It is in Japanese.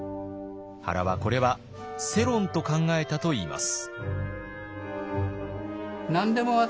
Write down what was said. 原はこれは世論と考えたといいます。